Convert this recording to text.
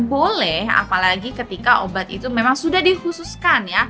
boleh apalagi ketika obat itu memang sudah dikhususkan ya